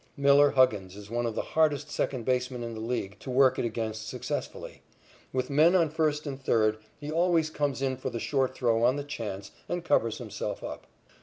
Miller Huggins is one of the hardest second basemen in the League to work it against successfully. With men on first and third, he always comes in for the short throw on the chance, and covers himself up.